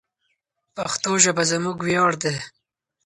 پښتو ژبه زموږ ویاړ دی.